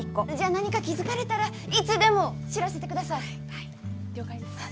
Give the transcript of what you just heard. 何か気付かれたらいつでも知らせてください。